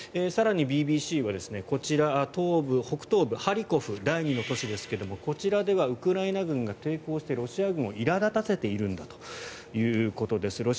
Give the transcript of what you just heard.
更にＢＢＣはこちら北東部ハリコフ第２の都市ですがこちらではウクライナ軍が抵抗してロシア軍をいら立たせているんだということです。